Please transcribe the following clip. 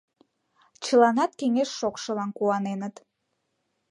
Чыланат кеҥеж шокшылан куаненыт.